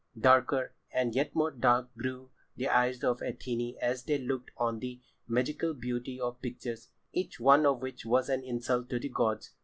[Pg 87] Darker and yet more dark grew the eyes of Athené as they looked on the magical beauty of the pictures, each one of which was an insult to the gods.